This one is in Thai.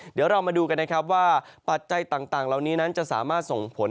เดี๋ยวเรามาดูกันนะครับว่าปัจจัยต่างเหล่านี้นั้นจะสามารถส่งผล